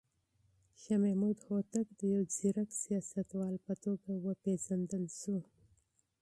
شاه محمود هوتک د يو ځيرک سياستوال په توګه وپېژندل شو.